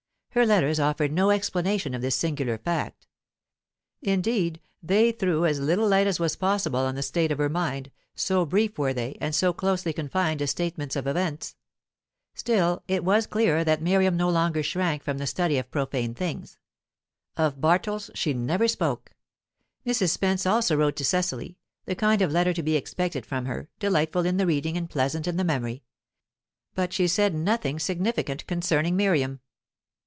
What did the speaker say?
Her letters offered no explanation of this singular fact; indeed, they threw as little light as was possible on the state of her mind, so brief were they, and so closely confined to statements of events. Still, it was clear that Miriam no longer shrank from the study of profane things. Of Bartles she never spoke. Mrs. Spence also wrote to Cecily, the kind of letter to be expected from her, delightful in the reading and pleasant in the memory. But she said nothing significant concerning Miriam.